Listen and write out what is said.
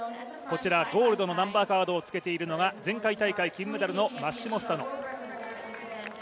ゴールドのナンバーカードをつけているのが前回大会金メダルのマッシモ・スタノ。